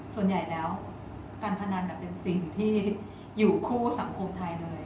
ส่วนใหญ่แล้วการพนันเป็นสิ่งที่อยู่คู่สังคมไทยเลย